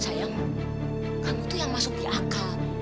sayang kamu tuh yang masuk di akal